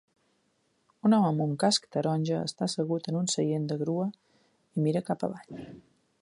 Un home amb un casc taronja està assegut en un seient de grua i mira cap avall.